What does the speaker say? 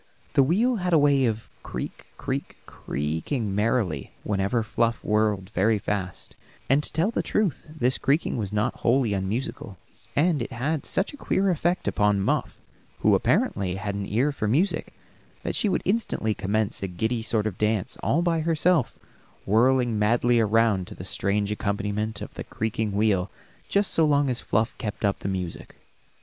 The wheel had a way of creak, creak, creaking merrily whenever Fluff whirled very fast, and, to tell the truth, this creaking was not wholly unmusical; and it had such a queer effect upon Muff, who apparently had an ear for music, that she would instantly commence a giddy sort of dance, all by herself, whirling madly around to the strange accompaniment of the creaking wheel just so long as Fluff kept up the music.